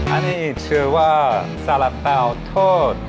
อันนี้อีดชื่อว่าสละเป่าทอด